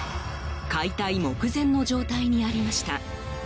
解体目前の状態にありました。